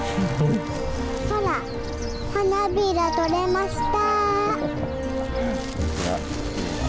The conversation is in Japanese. ほら花びら、取れました。